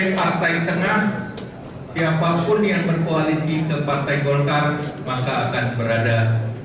sebagai partai tengah siapapun yang berkoalisi dengan golkar akan berada di tengah